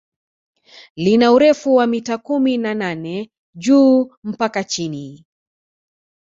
Lina urefu wa mita kumi na nane juu mpaka chini